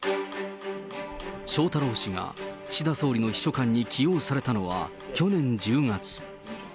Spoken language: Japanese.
翔太郎氏が岸田総理の秘書官に起用されたのは去年１０月。